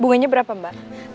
bunganya berapa mbak